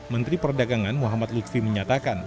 menteri perdagangan muhammad lutfi menyatakan